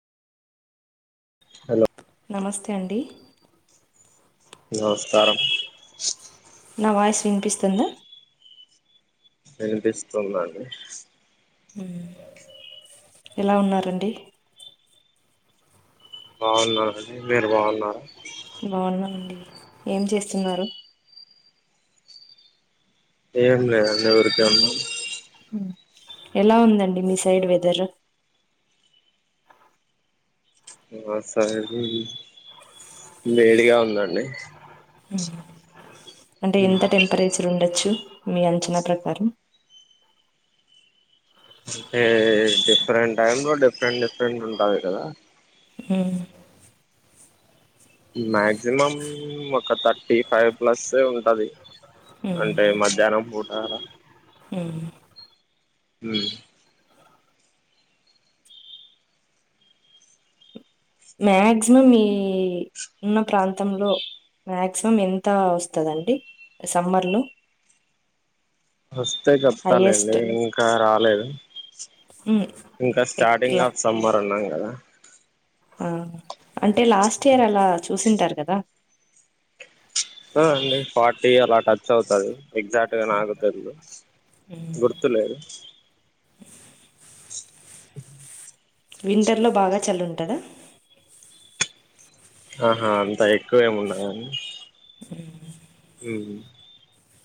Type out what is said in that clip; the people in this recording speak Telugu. హలో నమస్తే అండి నమస్కారం నా వాయిస్ వినిపిస్తుందా వినిపిస్తున్నాను ఉమ్ ఎలా ఉన్నారండి బాగున్నామండి మీరు బాగున్నారా బాగున్నాండి ఏం చేస్తున్నారు ఏం లేదండి ఊరికే ఉన్నాం ఎలా ఉందండి మీ సైడ్ వెదరు ఆ సరే వేడిగా ఉందండి అమ్ అంటే ఎంత టెంపరేచర్ ఉండొచ్చు మీ అంచనా ప్రకారం అంటే డిఫరెంట్ టైంలో డిఫరెంట్ డిఫరెంట్ ఉంటది కదా ఆమ్ మ్యా జిమమ్ ఒక త టీ ఫైవ్ ప్లస్ ఎ ఉంటది మ్మ్, అంటే మధ్యాహ్నం పూటా అలా అమ్ అమ్ మాక్సిమం ఈ ఉన్న ప్రాంతంలో మాక్సిమం ఎంత వస్తుందండి సమ్మర్ లో వస్తే చెప్తాలండి ఇంకా రాలేదు ఇంకా స్టార్టింగ్ ఇలా ఆఫ్ సమ్మర్ ఉన్నాం కాదా ఆ అంటే లాస్ట్ ఇయర్ అలా చూసింటారు కదా ఆ అండి ఫార్టీ అలా టచ్ అవుతది ఎక్సైట్ గా నాకు తెల్ద మ్మ్. గుర్తులేదు వింటర్ లో బాగా చల్లగా ఉంటు కదా ఆహా అంతా ఎక్కువేమి ఉన్నాదండి మ్మ్ మ్మ్